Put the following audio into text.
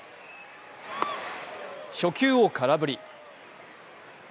初球を空振り。